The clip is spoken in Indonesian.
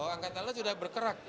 angkatan laut sudah bergerak